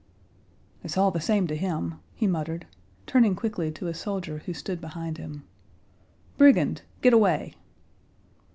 "It's all the same to him," he muttered, turning quickly to a soldier who stood behind him. "Brigand! Get away!"